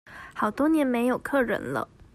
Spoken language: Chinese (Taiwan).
好多年沒有客人了